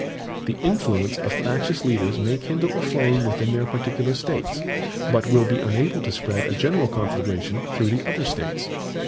The influence of factious leaders may kindle a flame within their particular States, but will be unable to spread a general conflagration through the other States.